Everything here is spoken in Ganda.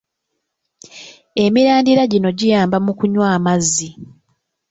Emirandira gino giyamba mu kunywa amazzi.